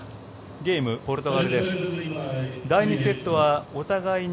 ゲーム、ポルトガルです。